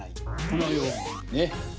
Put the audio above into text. このようにね。